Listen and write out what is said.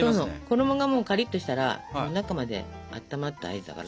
衣がもうカリッとしたら中まであったまった合図だから。